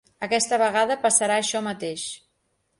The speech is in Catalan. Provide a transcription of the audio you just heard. Aquesta vegada passarà això mateix.